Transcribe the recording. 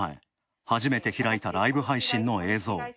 初めて開いたライブ配信の映像。